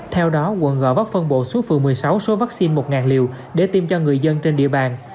theo đó quận gò vấp phân bộ xuống phường một mươi sáu số vaccine một liều để tiêm cho người dân trên địa bàn